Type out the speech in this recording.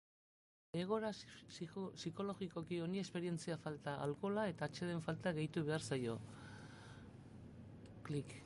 Egoera psikologiko honi esperientzia falta, alkohola eta atseden falta gehitu behar zaizkio.